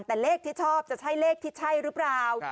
แต่เลขที่ชอบจะใช่เลขที่ใช่หรือเปล่า